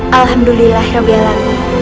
alhamdulillah ya biar lama